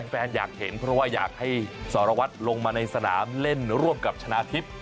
อยากเห็นเพราะว่าอยากให้สารวัตรลงมาในสนามเล่นร่วมกับชนะทิพย์